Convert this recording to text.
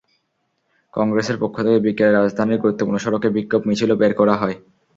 কংগ্রেসের পক্ষ থেকে বিকেলে রাজধানীর গুরুত্বপূর্ণ সড়কে বিক্ষোভ মিছিলও বের করা হয়।